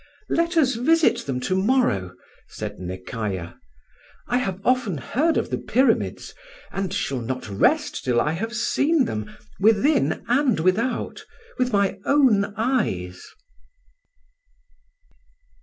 "Let us visit them to morrow," said Nekayah. "I have often heard of the Pyramids, and shall not rest till I have seen them, within and without, with my own eyes."